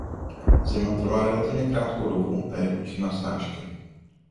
Zima trvá relativně krátkou dobu a je chudší na srážky.